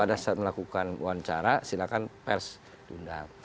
pada saat melakukan wawancara silakan pers diundang